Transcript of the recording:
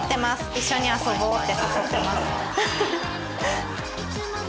一生に遊ぼうって誘ってます。